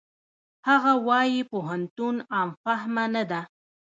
هغه وايي پوهنتون عام فهمه نه ده.